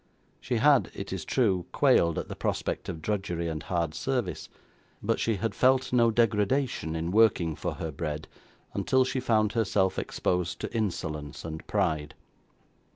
She had, it is true, quailed at the prospect of drudgery and hard service; but she had felt no degradation in working for her bread, until she found herself exposed to insolence and pride.